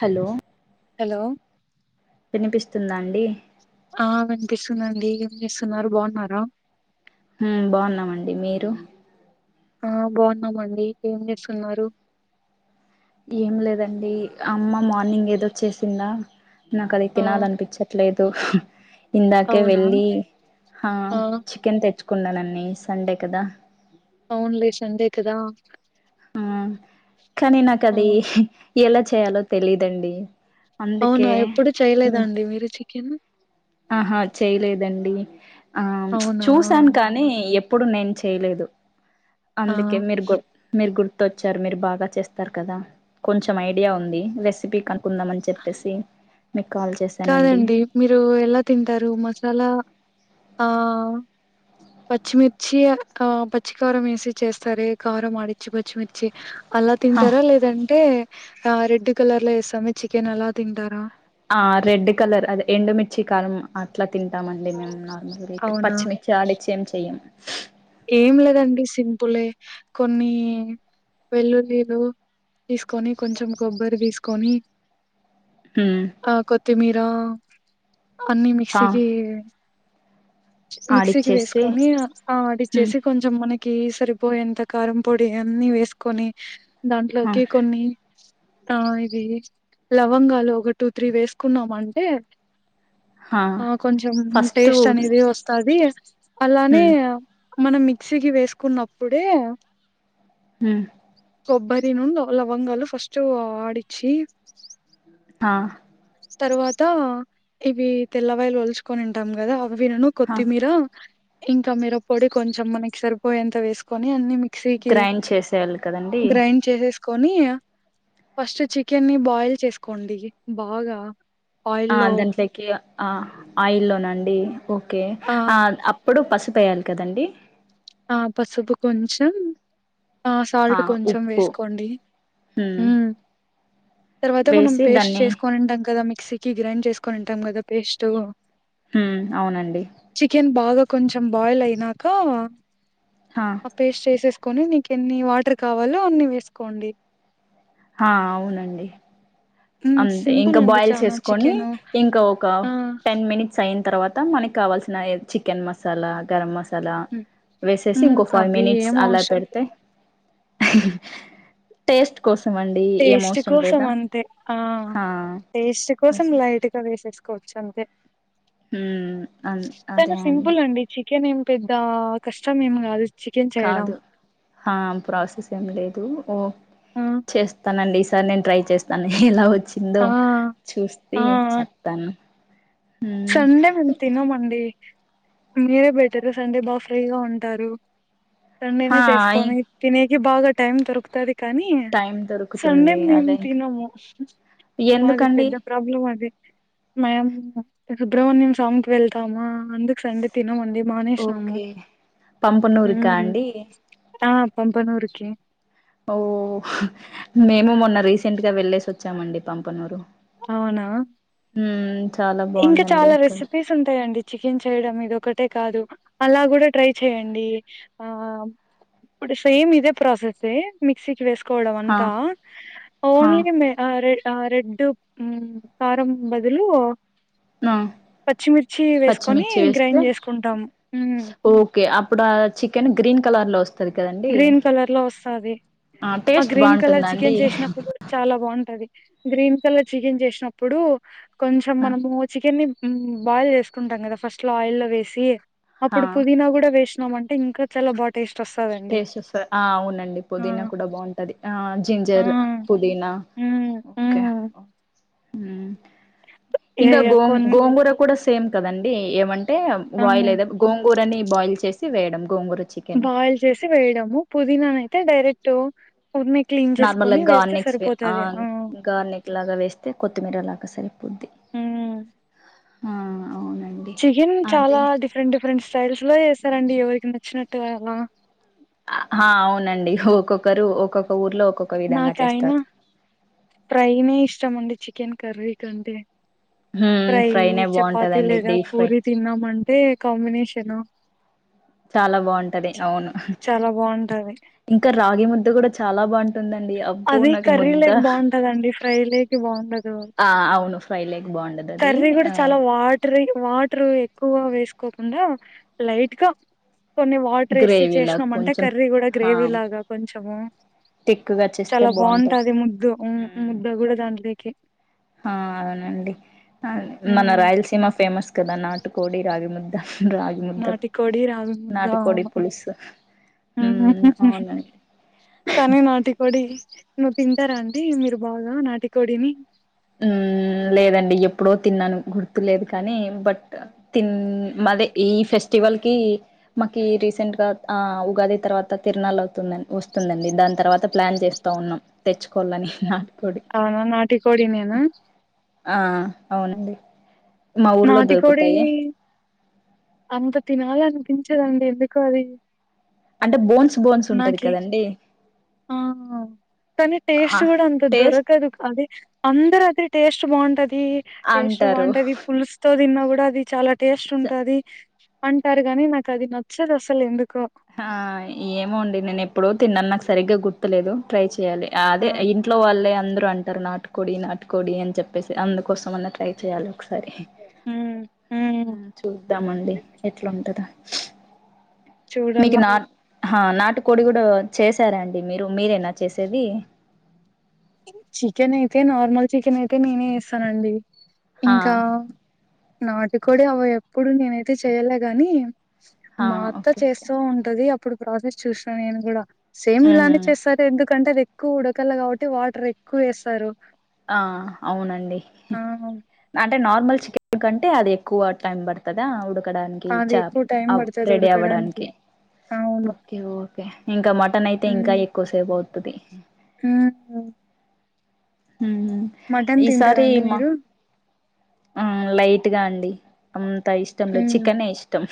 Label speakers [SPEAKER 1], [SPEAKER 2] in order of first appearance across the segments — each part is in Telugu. [SPEAKER 1] హలో
[SPEAKER 2] హలో
[SPEAKER 1] వినిపిస్తుందా అండి
[SPEAKER 2] ఆ వెంకష్ స్తుండి ఏం చేస్తున్నారు బాగున్నారా
[SPEAKER 1] బాగున్నామండి మీరు
[SPEAKER 2] ఆ బాగున్నామండి ఏం చేస్తున్నారు
[SPEAKER 1] ఏం లేదండి అమ్మ మార్నింగ్ ఏదో చేసిందా నాకు అది
[SPEAKER 2] ఆ
[SPEAKER 1] తినాలనిపించట్లేదు ఇందాకే
[SPEAKER 2] అవునా
[SPEAKER 1] వెళ్ళి ఆ చికెన్ తెచ్చుకున్నానన్నీ సండే కదా
[SPEAKER 2] అవునులేష్ అండే కదా
[SPEAKER 1] ఆ కానీ నాకు
[SPEAKER 2] ఆ
[SPEAKER 1] అది ఎలా చేయాలో తెలిదండి
[SPEAKER 2] అవునా ఎప్పుడుూ చేయలేదండి మీరు చికెన్
[SPEAKER 1] ఆహా చేయలేదండి ఆ
[SPEAKER 2] అవునా
[SPEAKER 1] చూసాను కానీ ఎ అప్పుడు నేను చేయలేదు
[SPEAKER 2] ఆ
[SPEAKER 1] అందుకే మీరు గు మీరు గుర్ వచ్చారు మీరు బాగా చేస్తారు కదా కొంచెం ఐడియా ఉంది రెసిపీ క ఒకుందాంమని చెప్పేసి మీకు కాల్ చేశానండి
[SPEAKER 2] కాదండి మీరు ఎలా తింటారు మసాలా ఆ పచ్చిమిర్చి ఆ పచ్చి కారం వేసి చేస్తారు కారం ఆడిచ్చి పచ్చిమిర్చి అలా
[SPEAKER 1] హ
[SPEAKER 2] తింటారా లేదంటే ఆ రెడ్ కలర్ లో వేస్తామ చికెన్ అలా తింటారా
[SPEAKER 1] ఆ రెడ్ కలర్ అది ఎండుమిిర్చి కారం అట్లా తింటామండి మేము నార్మల్గా ఇ
[SPEAKER 2] అవునా
[SPEAKER 1] పచ్చిమిర్చి ఆడిచ్చే ఏమి చెయ్యం
[SPEAKER 2] ఏం లేదండి సింపులే కొన్ని వెల్లులిరు తీసుకొని కొంచెం కొబ్బరి తీసుకొని
[SPEAKER 1] హ్మ్
[SPEAKER 2] ఆ కొత్తిమీర అన్నిీ
[SPEAKER 1] హా
[SPEAKER 2] మిక్సీకి మిక్సీకి
[SPEAKER 1] ఆడిచ్చేసి
[SPEAKER 2] వేసుకొని
[SPEAKER 1] హ్మ్
[SPEAKER 2] ఆడిచ్చేసి కొంచెం మనకి సరిపోయేంత కారం పొడి అన్ని వేసుకొని
[SPEAKER 1] హా
[SPEAKER 2] దాంట్లోకి కొన్ని ఆ ఇది లవంగాలు ఒక టూ త్రీ వేసుకున్నాం అంటే
[SPEAKER 1] హా
[SPEAKER 2] ఆ కొంచెం
[SPEAKER 1] ఫస్ట్
[SPEAKER 2] టేస్ట్ అనేది వస్తుది అలానే
[SPEAKER 1] హ్మ్
[SPEAKER 2] మనం మిక్సీకి వేసుకున్నప్పుడే
[SPEAKER 1] హమ్
[SPEAKER 2] కొబ్బరి ను లవంగాలు ఫస్ట్ ఆడిచ్చి
[SPEAKER 1] హ
[SPEAKER 2] తర్వాత ఇవి తెల్లవాయలు ఒలుచుకొని ఉంటాం కదా వినను
[SPEAKER 1] హా
[SPEAKER 2] కొత్తిమీర ఇంకా మీర పొడి కొంచెం మనకి సరిపోయేంత వేసుకొని అన్ని మిక్సీ కి
[SPEAKER 1] గ్రైండ్ చేసేయాలి కదండి
[SPEAKER 2] గ్రైండ్ చేసే కోని ఫస్ట్ చికెన్ని బాయిల్ చేసుకోండి బాగా
[SPEAKER 1] ఆ
[SPEAKER 2] ఆయిల్లో
[SPEAKER 1] దాంట్లోకి ఆ ఆయి లోనండి ఓకే ఆ ఎప్పుడు పసుపు వేయాలి కదండి
[SPEAKER 2] ఆ పసుపు కొంచెం ఆ సాల్ట్ కొంచెం వేసుకోండి
[SPEAKER 1] హ్మ్
[SPEAKER 2] తర్వాత మనం
[SPEAKER 1] వేసి
[SPEAKER 2] పేస్ట్
[SPEAKER 1] దాన్ని
[SPEAKER 2] చేసుకనింటాం కదా మిక్సీ కి గ్రైండ్ చేసుకనింటాం కదా పేస్ట్
[SPEAKER 1] హ అవునండి
[SPEAKER 2] చికెన్ బాగా కొంచెం బాయిల్ అయినాక
[SPEAKER 1] హా
[SPEAKER 2] ఆ పేస్ట్ చేసే కని నీకు ఎన్ని వాటర్ కావాలో అన్ని వేసుకోండి
[SPEAKER 1] ఆ అవునండి
[SPEAKER 2] హ్మ్.
[SPEAKER 1] అంతే
[SPEAKER 2] సింపుల్
[SPEAKER 1] ఇంకా
[SPEAKER 2] అండి
[SPEAKER 1] బాయిల్
[SPEAKER 2] చానా.
[SPEAKER 1] చేసుకొని
[SPEAKER 2] చికెను
[SPEAKER 1] ఇంకా ఒక
[SPEAKER 2] ఆ!
[SPEAKER 1] టెన్ మినిట్స్ అయింది తర్వాత మనకి కావాల్సిన చికెన్ మసాలా గరం మసాలా అలా
[SPEAKER 2] హ్మ్.
[SPEAKER 1] వేసేసి
[SPEAKER 2] హ్మ్.
[SPEAKER 1] ఇంకో ఫైవ్
[SPEAKER 2] అవి
[SPEAKER 1] మినిట్స్
[SPEAKER 2] ఏం
[SPEAKER 1] అలా
[SPEAKER 2] అవసరం
[SPEAKER 1] పెడితే
[SPEAKER 2] లేదు.
[SPEAKER 1] టేస్ట్ కోసం అండి ఏం
[SPEAKER 2] టేస్ట్
[SPEAKER 1] అవసరం
[SPEAKER 2] కోసం
[SPEAKER 1] లేదా
[SPEAKER 2] అంతే ఆ
[SPEAKER 1] హా
[SPEAKER 2] టేస్ట్ కోసం
[SPEAKER 1] ఎస్
[SPEAKER 2] లైట్గా వేసేసుకోవచ్చు అంతే
[SPEAKER 1] హ్మ్ అన్
[SPEAKER 2] చాలా
[SPEAKER 1] అదే
[SPEAKER 2] సింపుల్ అండి చికెన్ ఏం పెద్ద కష్టం ఏం కాదు
[SPEAKER 1] కాదు ఆ ప్రాసెస్ ఏం లేదు ఓ
[SPEAKER 2] ఆ!
[SPEAKER 1] చేస్తానండి సార్ నేను ట్రై చేస్తాను ఎలా వచ్చిందో
[SPEAKER 2] ఆ! ఆ!
[SPEAKER 1] చూతీ చెప్తాను మ్మ్
[SPEAKER 2] సండే మేం తినమండి మీరే పెట్టారు సండే బా ఫ్రీగా ఉంటారు సండేనే
[SPEAKER 1] హా
[SPEAKER 2] చేసుకొని తినే ఇ బాగా టైం దొరుకుతది కానీ
[SPEAKER 1] టైం
[SPEAKER 2] సండే
[SPEAKER 1] దొరుకుతుంది
[SPEAKER 2] మేము
[SPEAKER 1] అదే ఇంకా
[SPEAKER 2] తినము మాది
[SPEAKER 1] ఎందుకండి
[SPEAKER 2] పెద్ద ప్రాబ్లం అది మేము సుబ్రమణ్యం స్వామికిి వెళ్తామా అందుకు సండే తినము
[SPEAKER 1] ఓకే పంపనూరుకా అండి
[SPEAKER 2] ఒనూరుకి
[SPEAKER 1] ఓ మేము మొన్న రీసెంట్గా వెళ్లేేసి వచ్చామండి పంపనూరు
[SPEAKER 2] అవునా
[SPEAKER 1] హ
[SPEAKER 2] ఇంకా చాలా రెసిపీస్ ఉంటాయండి చికెన్ చికెన్ చేయడం ఇది ఒకటే కాదు అలా కూడా ట్రై చేయండి ఆ ఇప్పుడు సేమ్ ఇదే ప్రాసెస్ే మిక్సకి వేసు
[SPEAKER 1] హా
[SPEAKER 2] డంత
[SPEAKER 1] హా
[SPEAKER 2] ఓన్లీ మీరా రే ఆ రెడ్డు ఉ కారం బదులు
[SPEAKER 1] ఆ
[SPEAKER 2] పచ్చిమిర్చి వేసుకొని
[SPEAKER 1] పచ్చిమిర్చి వేస్త
[SPEAKER 2] గ్రైండ్ చేసుకుంటాం మ్మ్
[SPEAKER 1] ఓకే ఇప్పుడు ఆ చికెన్ గ్రీన్ కలర్ లో వస్తుం
[SPEAKER 2] గ్రీన్ కలర్ లో వస్తాది ఆ
[SPEAKER 1] టేస్ట్
[SPEAKER 2] గ్రీన్ కలర్
[SPEAKER 1] బాగుంటుందండి
[SPEAKER 2] చికెన్ చేసినప్పుడు చాలా బాగుంట ది గ్రీన్ కలర్ చికెన్ చేసినప్పుడు కొంచెం
[SPEAKER 1] ఆ
[SPEAKER 2] మనము చికెన్ని బాయిల్ చేసుకుంటాం కదా ఫస్ట్ లో ఆయిల్ వేసి
[SPEAKER 1] ఆ!
[SPEAKER 2] అప్పుడు పుదీనా కూడా వేసీ న్నాం అంటే ఇంకా చాల బా టేస్ట్ వస్తుంది
[SPEAKER 1] టేస్ట్ వస్తది ఆ అవునండి పుదీనా కూడా బాగుంటది ఆ
[SPEAKER 2] ఆ
[SPEAKER 1] జింజర్ పుదీనా
[SPEAKER 2] హ్మ్
[SPEAKER 1] ఓకే
[SPEAKER 2] హ్మ్
[SPEAKER 1] ఓ ఉ
[SPEAKER 2] ఏ
[SPEAKER 1] ఇంకా గో
[SPEAKER 2] కొన్
[SPEAKER 1] గోంగూర కూడా సేమ్ కదండి ఏమం అంటే బాయిల్
[SPEAKER 2] హ్మ్
[SPEAKER 1] గోంగూరని బాయిల్ చేసి వేయడం గోంగూర చికెన్
[SPEAKER 2] బాయిల్ చేసి వేయడము పుదీనాన అయితే డైరెక్ట్ ఉరినే క్లీన్
[SPEAKER 1] నార్మల్ గా
[SPEAKER 2] చేసుకొని వేస్తే
[SPEAKER 1] గార్నిెక్స్ ఆ
[SPEAKER 2] సరిపోతది.
[SPEAKER 1] గార్నిెక్ లాగా వేస్తే కొత్తిమీర లాగా సరి బుద్ధి
[SPEAKER 2] హ్మ్
[SPEAKER 1] ఆ అవునండి
[SPEAKER 2] చికెన్ చాలా
[SPEAKER 1] అదే
[SPEAKER 2] డిఫరెంట్ డిఫరెంట్ స్టైల్స్ లో చేస్తారండి ఎవరికి నచ్చినట్టు అలా
[SPEAKER 1] ఆ అవునండి ఒక్కొక్కరు ఒక్కొక్క ఊర్లో ఒక్కొక్క విధంగా
[SPEAKER 2] నాకయనా
[SPEAKER 1] చేస్తారు
[SPEAKER 2] ఫ్రైనే ఇష్టం అండి చికెన్ కర్రీ కంటే
[SPEAKER 1] హ్మ్
[SPEAKER 2] ట్రై
[SPEAKER 1] ఫ్రైనే
[SPEAKER 2] చపాతి
[SPEAKER 1] బాగుంటదండి
[SPEAKER 2] లేదా
[SPEAKER 1] డీప్ ఫ్రై
[SPEAKER 2] పూరీ తిన్నామంటే కాంబినేషన్
[SPEAKER 1] చాలా బాగుంటది అవును హా
[SPEAKER 2] చాలా బాగుంటది
[SPEAKER 1] ఇంకా రాగి ముద్ద గుడ చాలా బాగుంటుందండి. అబ్బో
[SPEAKER 2] అది
[SPEAKER 1] నాకు
[SPEAKER 2] కర్రీ
[SPEAKER 1] ముద్ద
[SPEAKER 2] లేక బాగుంటదండి ఫ్రై లేకి బాగుండదు
[SPEAKER 1] ఆ అవును ఫ్రై లేక్ బాగుండదు అది
[SPEAKER 2] కర్రీ కూడా
[SPEAKER 1] ఆ
[SPEAKER 2] చాలా వాటరీ వాటర్ ఎక్కువ వేసుకోకుండా లైట్ గా కొన్ని వాటర్ ఎసి
[SPEAKER 1] గ్రేవీలా
[SPEAKER 2] చేసినామ అంటే
[SPEAKER 1] కొంచెం
[SPEAKER 2] కర్రీ కూడా
[SPEAKER 1] ఆ
[SPEAKER 2] గ్రేవీ లాగా కొంచము
[SPEAKER 1] తిక్కుగా చేస్తే
[SPEAKER 2] చాలా బాగుంటది ముద్దు ముద్ద కూడా దాంట్లోకి
[SPEAKER 1] ఆ అవునండి న మన
[SPEAKER 2] హ్మ్.
[SPEAKER 1] రాయలసీమ ఫేమస్ కదా నాటుకోడి రాగిము
[SPEAKER 2] నాటి కోడి రాజుంద
[SPEAKER 1] నాటుకోడి
[SPEAKER 2] అణు
[SPEAKER 1] పులుసు హ్మ్
[SPEAKER 2] ఊహు
[SPEAKER 1] అవునండి
[SPEAKER 2] తనే నటి కొడి నువ్వు తింటారా అంటీ మీరు బాగా నాటికోడిని
[SPEAKER 1] ఉ లేదండి ఎప్పుడో తిన్నాను గుర్తులేదు కానీ బట్ తి మాదే ఈ ఫెస్ట్ స్టివల్ కి మాకి రీసెంట్ గా ఆ ఉగాది తర్వాత తిరనాల అవుతుందడి వస్తుందండి దా దాన్ తర్వాత ప్లాన్ చేస్తా ఉన్నాం. తెచ్చుకోవాలని నాటుకోడి
[SPEAKER 2] ఆ నాటికోడినేనా
[SPEAKER 1] ఆ అవునండి. మా ఊర్లో
[SPEAKER 2] నాటికోడి
[SPEAKER 1] దొరుకుతాయి
[SPEAKER 2] అంత తినాలన్పించదండి ఎందుకో అది
[SPEAKER 1] అంటే బోన్స్ బోన్స్ ఉంటది
[SPEAKER 2] నాకి
[SPEAKER 1] కదండి.
[SPEAKER 2] ఆ కని టేస్ట్
[SPEAKER 1] ఆ
[SPEAKER 2] గుడంత
[SPEAKER 1] టేస్ట్
[SPEAKER 2] దొరకదు అదే అందర్ టేస్ట్ బాగుంటది. టేస్ట్
[SPEAKER 1] అంటారు
[SPEAKER 2] బాగుంటది స్తో తిన్నా గుడా అది చాలా టేస్ట్ ఉంటది అంటార్ గాని నాకది నచ్చదు అసల్ ఎందుకో
[SPEAKER 1] ఆ ఏమో అండి నేన్ ఎప్పుడో తిన్నాన్ నాక్ సరిగ్గా గుర్తులేదు. ట్రై చే యాలె. అదే
[SPEAKER 2] ఆ
[SPEAKER 1] ఇంట్లో వాళ్ళే అందరు రు అంటారు. నాట్కోడి నాట్కోడి అన్ చెప్పేసి అందుకోసం అన్నా ట్రై చేయాలి. ఒకసారి
[SPEAKER 2] ఉమ్ ఉమ్
[SPEAKER 1] చూద్దామండి ఎట్లుంటదా
[SPEAKER 2] చూడాల.
[SPEAKER 1] ఆ నాటుకోడి గుడా చేసారా అండి మీరు మీరేనా చేసేది.
[SPEAKER 2] చికెన్ అయితే నార్మల్ చికెన్ అయితే నేనే చేస్తానండి.
[SPEAKER 1] హా
[SPEAKER 2] ఇంకా నాటుకోడి అవ ఎప్పుడు నేనైతే చేయలే గని
[SPEAKER 1] హా
[SPEAKER 2] మా అత్త
[SPEAKER 1] ఓకే ఓకే
[SPEAKER 2] చేస్తూ ఉంటది అప్పుడు ప్రాసెస్ చూసినా నేన్ గుడా సేమ్ ఇలానే
[SPEAKER 1] ఉమ్
[SPEAKER 2] చేస్తారు ఎందుకంటే అది ఎక్కు ఉడకాల కాబట్టి వాటర్ ఎక్కు ఏస్తారు.
[SPEAKER 1] ఆ అవునండి. అం టే నార్మల్ చికెన్ కంటే అది ఎక్కువ టైం పడుతదా ఉడకడానికి
[SPEAKER 2] అది
[SPEAKER 1] చ
[SPEAKER 2] ఎక్కువ టైం పడుతది
[SPEAKER 1] రెడీ అవ్
[SPEAKER 2] ఉడకడానికి
[SPEAKER 1] అవ్వడానికి
[SPEAKER 2] అవును
[SPEAKER 1] ఓకే ఓకే ఇంకా మటన్ అయితే ఇంకా ఎక్కువ సేపు అవుతది.
[SPEAKER 2] మ్
[SPEAKER 1] ఉమ్
[SPEAKER 2] మటన్ తింటరా
[SPEAKER 1] ఈసారి
[SPEAKER 2] అండి
[SPEAKER 1] మా
[SPEAKER 2] మీరు
[SPEAKER 1] ఆ లైట్గా అండి అంత ఇష్టం లేద్
[SPEAKER 2] మ్మ్
[SPEAKER 1] చికెనే ఇష్టం.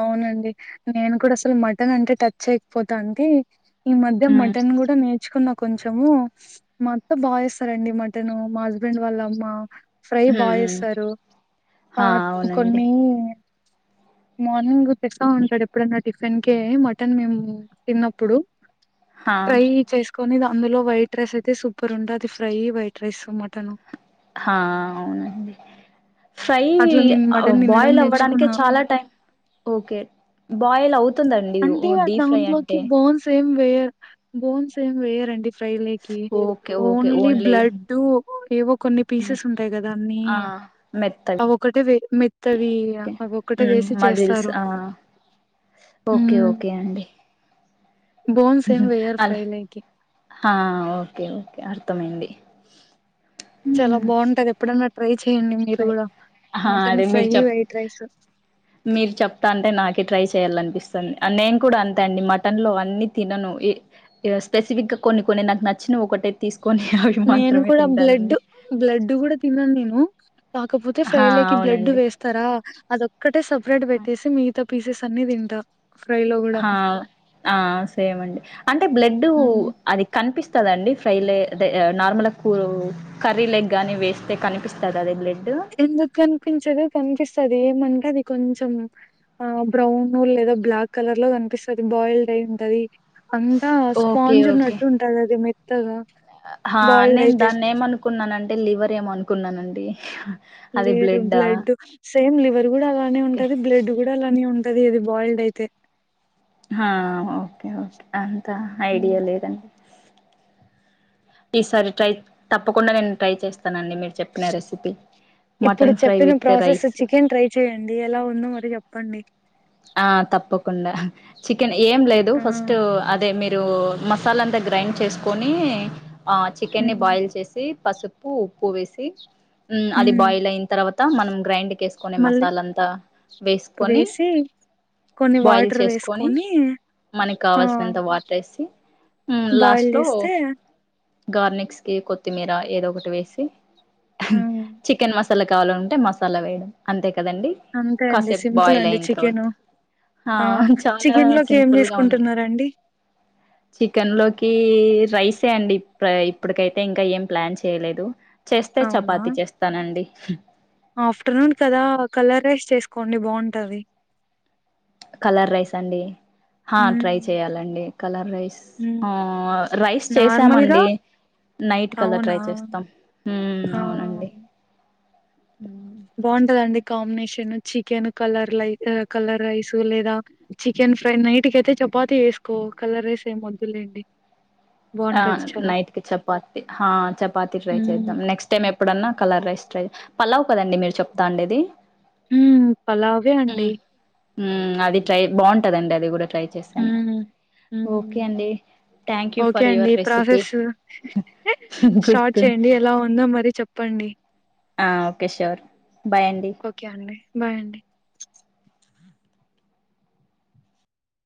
[SPEAKER 2] అవునండి. నేను కూడా అసల్ మటన్ అంటే టచ్ చేయకపోతాంటి ఈ మధ్య
[SPEAKER 1] ఉమ్
[SPEAKER 2] మటన్ గుడ నే ర్చుకున్న కొంచెము. మా అత్త బాగా చేస్తారండి మటన్ మా హస్బెండ్ వాళ్ళ అమ్మ. ఫ్రై బా
[SPEAKER 1] ఉమ్
[SPEAKER 2] చేస్తారు ఆ
[SPEAKER 1] హా అవునండి
[SPEAKER 2] కొన్నీ మార్నింగ్ తెస్తా ఉంటడు ఎప్పుడన్నా టిఫిన్కే మటన్ మేము తిన్నప్పుడు
[SPEAKER 1] హా
[SPEAKER 2] ఫ్రై చేస్కొ కొని అందులో వైట్ రైస్ అయితే సూపర్ ఉంటాది ఫ్రై వైట్ రైస్ మటను
[SPEAKER 1] హా అవునండి ఫ్రై
[SPEAKER 2] అట్లా నేను మటన్ తినడం
[SPEAKER 1] బాయిల్ అవ్వడానికే
[SPEAKER 2] నేర్చుకున్నా
[SPEAKER 1] చాలా టైం ఓకే బాయిల్ అవు
[SPEAKER 2] అంటే అ దాంట్లోకి బోన్స్ ఏం వేయర్ బోన్స్ ఏం వేయరండి ఫ్రై లోకి
[SPEAKER 1] ఓకే ఓకే
[SPEAKER 2] ఓన్లీ బ్లడ్డు ఏవో కొన్ని పీసెస్ ఉంటాయి కదా అన్నీ
[SPEAKER 1] ఆ మెత్తగా
[SPEAKER 2] అవొక్కటే వే మెత్తవి
[SPEAKER 1] ఓకే
[SPEAKER 2] అవొక్కటే వేసి
[SPEAKER 1] మజిల్స్
[SPEAKER 2] చేస్తారు.
[SPEAKER 1] ఆ ఓకే
[SPEAKER 2] హ్మ్
[SPEAKER 1] ఓకే అండి.
[SPEAKER 2] బోన్స్ ఏం వెయ్యరు ఫ్రై లైకి
[SPEAKER 1] హ ఓకే ఓకే అర్థమైంది.
[SPEAKER 2] చాలా
[SPEAKER 1] హ్మ్
[SPEAKER 2] బాగుంటది ఎప్పుడన్న ట్రై చేయండి మీర్
[SPEAKER 1] ట్రై
[SPEAKER 2] గుడా మటన్ ఫ్రై వైట్ రైస్
[SPEAKER 1] మీర్ చెప్తాంటే నాకే ట్రై చేయాలనిపిస్ నేన్ కూడా అంతే అండి మటన్లో అన్ని తినను. స్పెసిఫిక్గా కొన్ని కొన్ని నాక్ నచ్చిన ఒకటే తీస్
[SPEAKER 2] నేను కూడా బ్లడ్ బ్లడ్ గుడా తినను నేను కాకపోతే ఫ్రై
[SPEAKER 1] హా
[SPEAKER 2] లోకి బ్లెడ్
[SPEAKER 1] అవునండి
[SPEAKER 2] వేస్తరా అదొక్కటే సెపరేట్ పెట్టేసి మిగితా పీసెస్ అన్నీ తింటా. ఫ్రై లో కూడా
[SPEAKER 1] హ ఆ సేమండి అంటే బ్లడ్డు అది కనిపిస్ స్తదండి ఫ్రైలే అదే నార్మల్గా కూ కర్రీ లేగ్గాని వేస్తే కనిపిస్తదా అదే బ్ల
[SPEAKER 2] ఎందుకు కనిపించదు కనిపిస్తది ఏమంటే అది కొంచం ఆ బ్రౌన్ లేదా బ్లాక్ కలర్ లో కనిపిస్తది బాయిల్డ్ అయి ఉంటది. అంతా
[SPEAKER 1] ఓకే
[SPEAKER 2] స్పాంజ్
[SPEAKER 1] ఓకే
[SPEAKER 2] ఉన్నట్టు ఉంటది అది మెత్తగా
[SPEAKER 1] హా
[SPEAKER 2] బాయిల్డ్
[SPEAKER 1] నేను
[SPEAKER 2] అయితే
[SPEAKER 1] దాన్ని ఏమనుకున్నానంటే లివర్ ఏమో అనుకున్నానండి. అది
[SPEAKER 2] లేదు
[SPEAKER 1] బ్లడ్డా
[SPEAKER 2] బ్లడ్ సేమ్ లివర్ కూడా అలానే
[SPEAKER 1] ఓకే
[SPEAKER 2] ఉంటది, బ్లడ్ కూడా అలానే ఉంటది అది బాయిల్డ్ అయితే
[SPEAKER 1] హా ఓకే ఓకే అంత
[SPEAKER 2] హ్మ్.
[SPEAKER 1] ఐడియా లేదండి. ఈసారి ట్రై తప్పకుండా నేను ట్రై చేస్తానండి మీరు చెప్పిన రెసిపీ.
[SPEAKER 2] ఇప్పుడు
[SPEAKER 1] మటన్ ఫ్రై
[SPEAKER 2] చెప్పిన
[SPEAKER 1] with
[SPEAKER 2] process
[SPEAKER 1] rice
[SPEAKER 2] chicken try చెయ్యండి ఎలా ఉందో మరి చెప్పండి.
[SPEAKER 1] ఆ తప్పకుండా చికెన్ ఏం లేదు
[SPEAKER 2] ఆ
[SPEAKER 1] ఫస్ట్ అదే మీరు మసాలా అంతా గ్రైండ్ చేసుకొని ఆ చికెన్ని
[SPEAKER 2] హ్మ్.
[SPEAKER 1] బాయిల్ చేసి పసుపు ఉప్పు వేసి ఉమ్ అది
[SPEAKER 2] హ్మ్.
[SPEAKER 1] బాయిల్ అయిన తర్వాత మనం గ్రైండ్ కి ఏసుకునే
[SPEAKER 2] మళ్ళీ
[SPEAKER 1] మసాల అంతా వేసుకొని
[SPEAKER 2] వేసి కొన్ని
[SPEAKER 1] బాయిల్
[SPEAKER 2] వాటర్
[SPEAKER 1] చేసుకొని
[SPEAKER 2] వేసుకొని
[SPEAKER 1] మనకి
[SPEAKER 2] ఆ
[SPEAKER 1] కావాల్సినంత వాటర్ వేసి లాస్ట్
[SPEAKER 2] బాయిల్
[SPEAKER 1] లో
[SPEAKER 2] చేస్తే
[SPEAKER 1] గార్నిక్స్ కి కొత్తిమీర ఏదో ఒకటి వేసి
[SPEAKER 2] హ్మ్.
[SPEAKER 1] చికెన్ మస్ మసాలా కావాలంటే మసాలా వేయడం అంతే కదండీ
[SPEAKER 2] అంతే అండి
[SPEAKER 1] కాసేపు
[SPEAKER 2] సింపుల్
[SPEAKER 1] బాయిల్
[SPEAKER 2] అండి
[SPEAKER 1] అయిన తర్వాత
[SPEAKER 2] చికెన్
[SPEAKER 1] హా
[SPEAKER 2] ఆ
[SPEAKER 1] చాలా
[SPEAKER 2] చికెన్ లోకి ఏం
[SPEAKER 1] సింపుల్గా ఉంది
[SPEAKER 2] చేసుకుంటున్నారండి
[SPEAKER 1] చికెన్ లోకి ఈ రైసే అండి ఇ ఇప్పటికైతే ఇంకా ఏం ప్లాన్ చేయలేదు. చేస్తే
[SPEAKER 2] అవునా
[SPEAKER 1] చపాతి చేస్తానండి
[SPEAKER 2] ఆఫ్టర్నూన్ కదా కలర్ రైస్ చేసుకోం డి బావుంటది.
[SPEAKER 1] కలర్ రైసా అండి హా ట్రై చెయాలండి కలర్ రైస్ ఆ రైస్
[SPEAKER 2] నార్మల్గా
[SPEAKER 1] చేసామండి. నైట్ కి అలా ట్రై
[SPEAKER 2] అవునా
[SPEAKER 1] చేస్తాం ఉమ్
[SPEAKER 2] ఆ
[SPEAKER 1] అవునండి.
[SPEAKER 2] బావుంటదండి కాంబినేషన్ చికెన్ కలర్ లై కలర్ రైస్ లేదా చికెన్ ఫ్రై నైట్ కయితే చపాతి వేసుకో కలర్ రైస్ ఏం వొద్దులేండి.
[SPEAKER 1] ఆ నైట్ కి చపాతి హా చపాతి ట్రై
[SPEAKER 2] ఉమ్
[SPEAKER 1] చేద్దాం నెక్స్ట్ టైమ్ ఎప్ ఎప్పుడన్నా కలర్ రైస్ ట్రై పలావ్ కదండి మీరు చెప్తాండేది.
[SPEAKER 2] హు పలావే అండి
[SPEAKER 1] ఉమ్ అది ట్రై బాగుంటదండి అది కూడా ట్రై చేశాను
[SPEAKER 2] ఉమ్ ఉమ్
[SPEAKER 1] ఓకే అండి థ్యాంక్ యూ.
[SPEAKER 2] ఓకే
[SPEAKER 1] ఫర్
[SPEAKER 2] అండి
[SPEAKER 1] యువర్ రెసిపీ
[SPEAKER 2] ప్రాసెస్ స్టార్ట్
[SPEAKER 1] గుర్తు
[SPEAKER 2] చేయండి ఎలా ఉందో మరి చెప్పండి.
[SPEAKER 1] ఆ ఓకే షూర్
[SPEAKER 2] ఓకే అండి బాయ్ అండి.